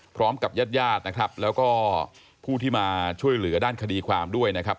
พร้อมกับญาติญาตินะครับแล้วก็ผู้ที่มาช่วยเหลือด้านคดีความด้วยนะครับ